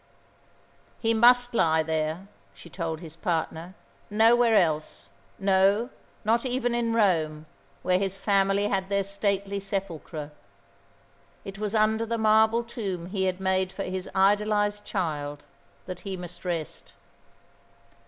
He must lie there, she told his partner, nowhere else; no, not even in Rome, where his family had their stately sepulchre. It was under the marble tomb he had made for his idolised child that he must rest.